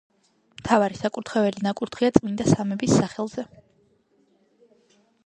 მთავარი საკურთხეველი ნაკურთხია წმინდა სამების სახელზე.